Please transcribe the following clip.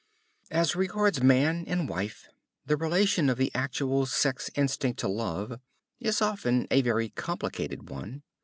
As regards man and wife, the relation of the actual sex instinct to love is often a very complicated one.